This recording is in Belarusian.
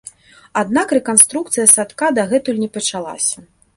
Аднак рэканструкцыя садка дагэтуль не пачалася.